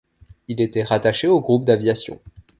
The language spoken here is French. Il était rattaché au groupe d'aviation.